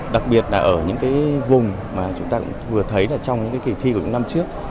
đặc biệt là ở những cái vùng mà chúng ta vừa thấy là trong những kỳ thi của những năm trước